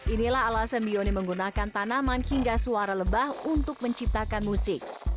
inilah alasan bioni menggunakan tanaman hingga suara lebah untuk menciptakan musik